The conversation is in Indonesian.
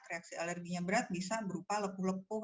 reaksi alerginya berat bisa berupa lepuh lepuh